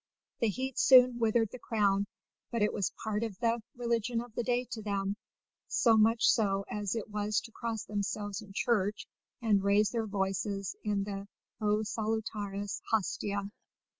The heat soon withered the crown; but it was part of the religion of the day to them, as much so as it was to cross themselves in church and raise their voices in the "O Salutaris Hostia."